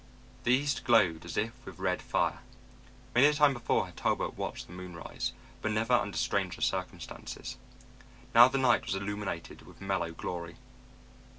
The east glowed as if with red fire. Many a time before had Talbot watched the moon rise, but never under stranger circumstances. Now the night was illuminated with mellow glory.